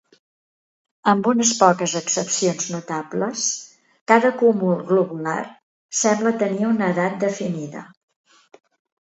Amb unes poques excepcions notables, cada cúmul globular sembla tenir una edat definida.